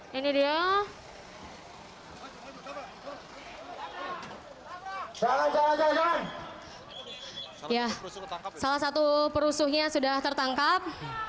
tapi sekarang sudah ada yang tertangkap